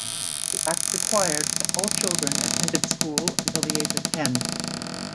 The Act required that all children attended school until the age of ten.